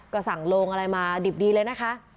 ก็สั่งโลงอะไรมาดิบดีเลยนะคะ